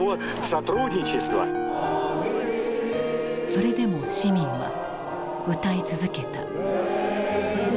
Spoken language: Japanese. それでも市民は歌い続けた。